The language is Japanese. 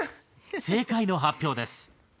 正解の発表です。